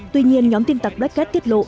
tuy nhiên nhóm tin tặc black hat tiết lộ